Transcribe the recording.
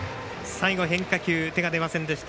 最後、変化球手が出ませんでした。